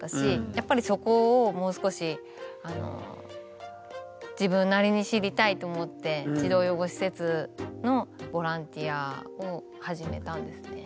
やっぱりそこをもう少し自分なりに知りたいと思って児童養護施設のボランティアを始めたんですね。